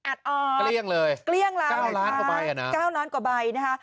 อัดออร์ดเกลี้ยงเลย๙ล้านกว่าใบนะฮะ